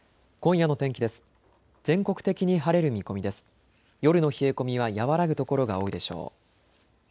夜の冷え込みは和らぐところが多いでしょう。